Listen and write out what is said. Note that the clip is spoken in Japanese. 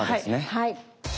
はい。